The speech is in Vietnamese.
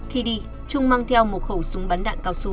trung mang theo một khẩu súng bắn đạn cao xù